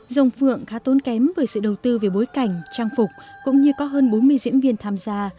dòng phượng khá tốn kém với sự đầu tư về bối cảnh trang phục cũng như có hơn bốn mươi diễn viên tham gia